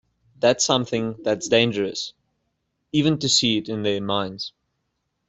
That something that's dangerous, even to see it in their minds.